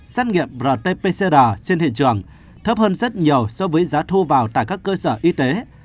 xét nghiệm rt pcr trên thị trường thấp hơn rất nhiều so với giá thu vào tại các cơ sở y tế